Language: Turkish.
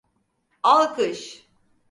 Alkış!